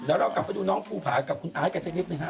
แล้วเรากลับไปดูน้องภูผากับคุณไอซ์กันสักนิดหนึ่งฮะ